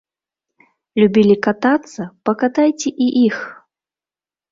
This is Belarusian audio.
Любілі катацца, пакатайце і іх!